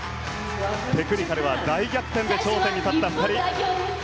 テクニカルは大逆転で頂点に立った２人。